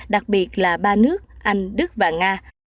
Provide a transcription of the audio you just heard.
đặc biệt là ba nước anh đức và nga